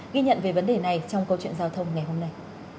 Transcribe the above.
ghi nhận về vấn đề này trong câu chuyện giao thông ngày hôm nay